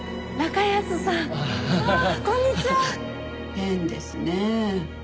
変ですねえ。